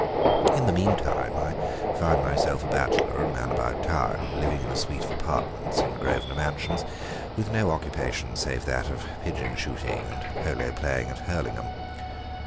In the meantime, I found myself a bachelor and man about town, living in a suite of apartments in Grosvenor Mansions, with no occupation save that of pigeon shooting and polo playing at Hurlingham.